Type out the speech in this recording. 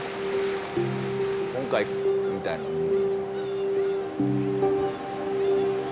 今回みたいなうん。